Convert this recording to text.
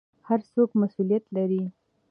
هر څوک مسوولیت لري